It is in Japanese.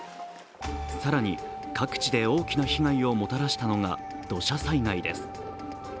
更に、各地で大きな被害をもたらしのが土砂災害です。